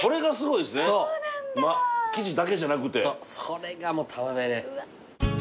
それがもうたまんないね。